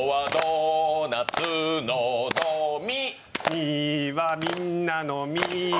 ミはみんなのミ。